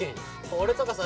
俺とかさ